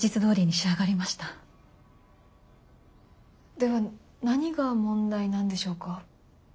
では何が問題なんでしょうか？